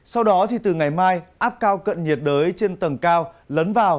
sau đó thì từ ngày mai áp cao cận nhiệt đới trên tầng cao lấn vào